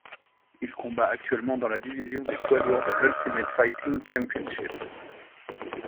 Il combat actuellement dans la division des poids lourds de l'Ultimate Fighting Championship.